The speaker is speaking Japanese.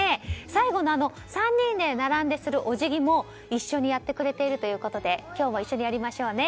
最後の、３人で並んでするおじぎも一緒にやってくれているということで今日も一緒にやりましょうね。